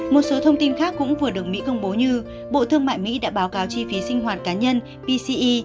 một số thông tin khác cũng vừa được mỹ công bố như bộ thương mại mỹ đã báo cáo chi phí sinh hoạt cá nhân pce